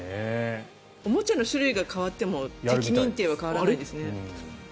おもちゃの種類が変わっても敵認定は変わらないんですね。